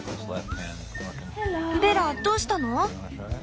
ベラどうしたの？